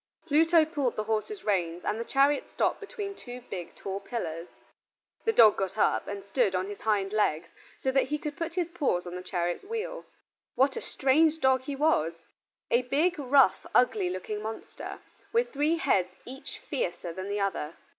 Pluto pulled the horses' reins, and the chariot stopped between two big tall pillars. The dog got up and stood on his hind legs, so that he could put his paws on the chariot wheel. What a strange dog he was! A big, rough, ugly looking monster, with three heads each fiercer than the other.